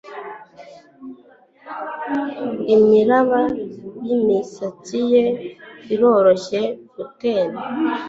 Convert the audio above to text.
imiraba yimisatsi ye iroroshye gutemba